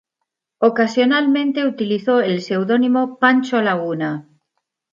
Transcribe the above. Ocasionalmente utilizó el seudónimo Pancho Laguna.